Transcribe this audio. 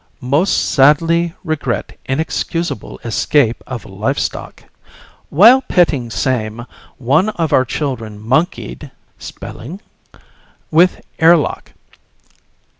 Most sadly regret inexcusable escape of livestock. While petting same, one of our children monkied (sp?) with airlock.